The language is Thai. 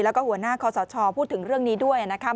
แล้วก็หัวหน้าคอสชพูดถึงเรื่องนี้ด้วยนะครับ